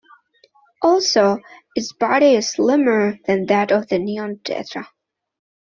Also, its body is slimmer than that of the neon tetra.